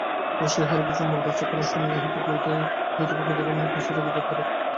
অবশ্য ইহারও কিছু মূল্য আছে, কারণ সময়ে ইহা হইতেই প্রকৃত ধর্ম-পিপাসা জাগিতে পারে।